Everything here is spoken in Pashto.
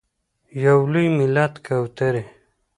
یو لوی ملت کوترې…